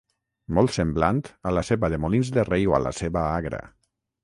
Molt semblant a la ceba de Molins de Rei o a la ceba agra.